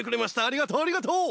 ありがとうありがとう！